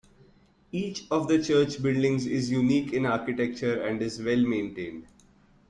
Each of the Church buildings is unique in architecture and is well maintained.